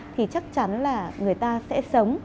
thì chắc chắn là người ta sẽ sống